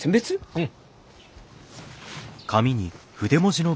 うん。